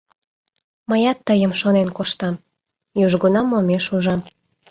— Мыят тыйым шонен коштам... южгунам омеш ужам...